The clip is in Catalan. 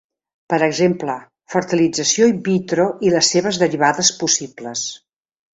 Per exemple: fertilització "in vitro" i les seves derivades possibles.